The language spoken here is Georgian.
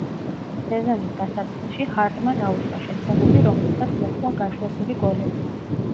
სეზონის დასაწყისში ჰარტმა დაუშვა შეცდომები, რომლებსაც მოჰყვა გაშვებული გოლები.